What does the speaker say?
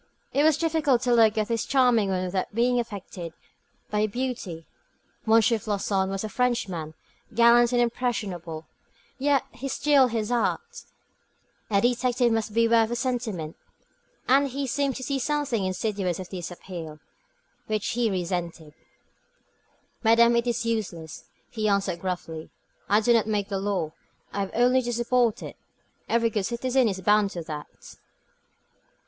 It was difficult to look at this charming woman without being affected by her beauty. M. Floçon was a Frenchman, gallant and impressionable; yet he steeled his heart. A detective must beware of sentiment, and he seemed to see something insidious in this appeal, which he resented. "Madame, it is useless," he answered gruffly. "I do not make the law; I have only to support it. Every good citizen is bound to that."